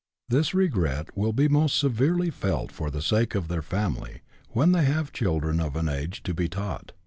This regret will be most severely felt for the sake of their family, when they have children of an age to be taught.